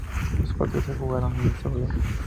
Los partidos se jugaron en El Salvador.